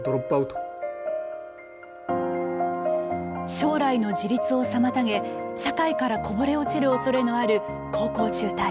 将来の自立を妨げ社会からこぼれ落ちるおそれのある高校中退。